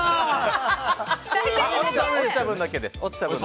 落ちた分だけです。